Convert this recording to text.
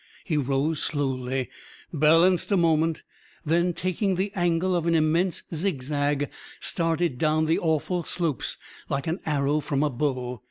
He rose slowly, balanced a moment, then, taking the angle of an immense zigzag, started down the awful slopes like an arrow from a bow.